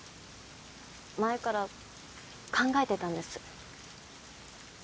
前から考えてたんです。